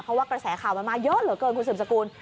เพราะว่ากระแสข่าวมันมาเยอะเหลือเกินคุณสืบสกุล